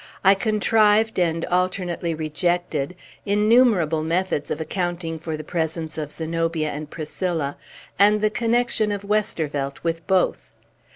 I contrived, and alternately rejected, innumerable methods of accounting for the presence of Zenobia and Priscilla, and the connection of Westervelt with both.